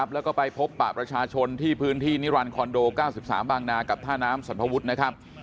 แล้วก็ไปพบปะประชาชนที่พื้นที่นิรันดิคอนโด๙๓บางนากับท่าน้ำสรรพวุฒินะครับ